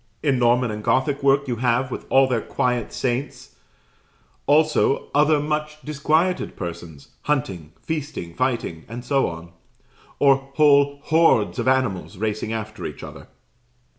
In Norman and Gothic work you have, with all their quiet saints, also other much disquieted persons, hunting, feasting, fighting, and so on; or whole hordes of animals racing after each other.